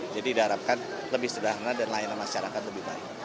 jadi diharapkan lebih sederhana dan layanan masyarakat lebih baik